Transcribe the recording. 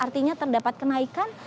artinya terdapat kenaikan